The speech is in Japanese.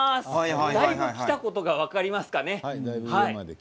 だいぶ来たことが分かりますかね。